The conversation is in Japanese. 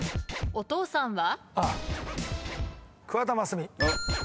お父さんは？